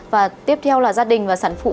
và tiếp theo là gia đình và sản phụ